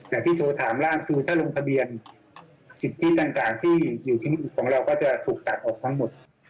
ที่โทรถามร่างคือถ้าลงทะเบียนสิทธิต่างที่อยู่ที่ของเราก็จะถูกตัดออกทั้งหมด